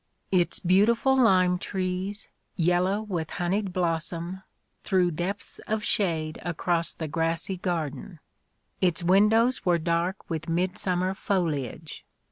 Its beautiful lime trees, yellow with honeyed blossom, threw depths of shade across the grassy garden : its windows were dark with A DAY WITH ROSSETTI. midsummer foliage.